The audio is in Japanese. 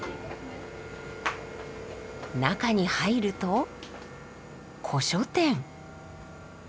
中に入ると古書店。